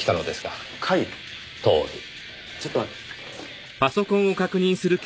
ちょっと待って。